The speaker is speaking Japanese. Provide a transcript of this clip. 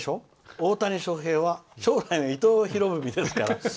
大谷翔平は将来の伊藤博文ですから。